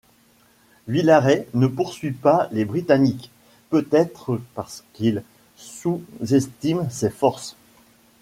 Villaret ne poursuit pas les Britanniques, peut-être parce qu'il sous-estime ses forces.